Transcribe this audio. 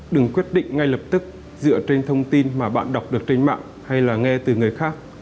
đừng quyết định ngay lập tức dựa trên thông tin mà bạn đọc được trên mạng hay là nghe từ người khác